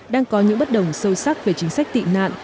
đang có những bất đồng sâu sắc về chính sách tị nạn